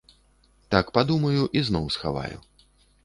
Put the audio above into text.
Так падумаю і зноў схаваю.